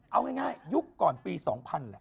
เอาง่ายยุคก่อนปี๒๐๐แหละ